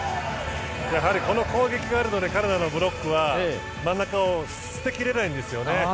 この攻撃があるのでカナダのブロックは真ん中を捨てきれないんですよね。